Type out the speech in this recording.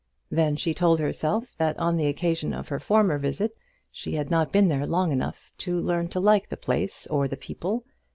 Then she told herself that on the occasion of her former visit she had not been there long enough to learn to like the place or the people.